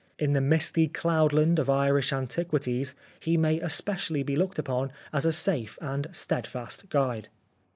. in the misty cloudland of Irish antiquities he may especially be looked upon as a safe and steadfast guide."